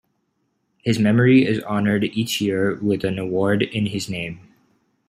His memory is honored each year with an award in his name.